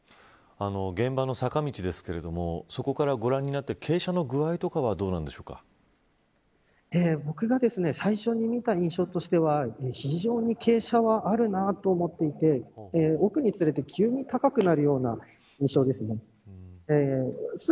現場の坂道ですが、そこからご覧になって僕が最初に見た印象としては非常に傾斜はあるなと思っていて奥につれて急に高くなるような印象です。